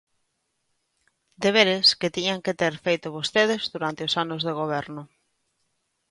Deberes que tiñan que ter feitos vostedes durante os anos de Goberno.